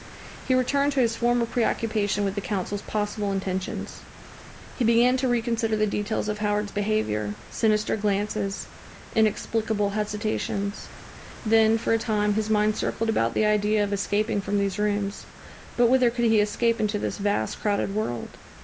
He returned to his former preoccupation with the Council's possible intentions. He began to reconsider the details of Howard's behaviour, sinister glances, inexplicable hesitations. Then, for a time, his mind circled about the idea of escaping from these rooms; but whither could he escape into this vast, crowded world?